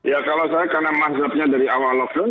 ya kalau saya karena mazhabnya dari awal lockdown